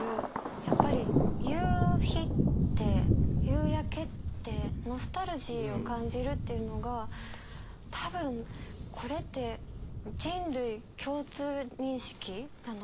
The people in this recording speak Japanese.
やっぱり夕日って夕焼けってノスタルジーを感じるっていうのが多分これって人類共通認識なのかなって。